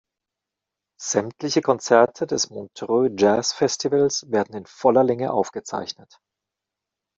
Sämtliche Konzerte des Montreux Jazz Festivals werden in voller Länge aufgezeichnet.